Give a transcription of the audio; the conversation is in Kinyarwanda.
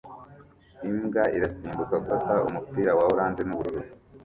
Imbwa irasimbuka gufata umupira wa orange n'ubururu